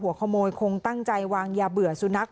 หัวขโมยคงตั้งใจวางยาเบื่อสุนัข